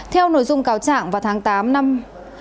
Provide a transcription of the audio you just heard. theo nội dung cáo trạng vào tháng tám năm